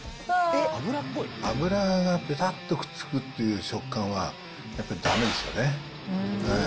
油がベタっとくっつくっていう食感は、やっぱりだめですよね。